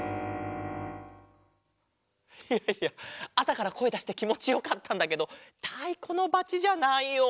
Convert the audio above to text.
いやいやあさからこえだしてきもちよかったんだけどたいこのばちじゃないよ。